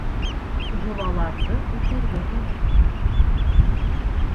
Йолаларҙы үтәргә кәрәк.